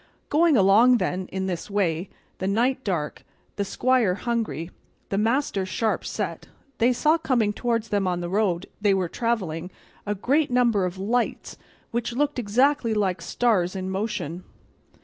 Going along, then, in this way, the night dark, the squire hungry, the master sharp set, they saw coming towards them on the road they were travelling a great number of lights which looked exactly like stars in motion.